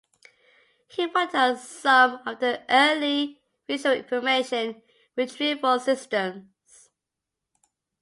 He worked on some of the early visual information retrieval systems.